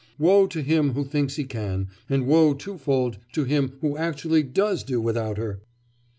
Woe to him who thinks he can, and woe twofold to him who actually does do without her!